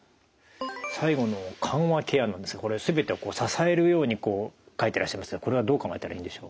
最後の緩和ケアなんですがこれ全てを支えるように書いてらっしゃいましたがこれはどう考えたらいいんでしょう？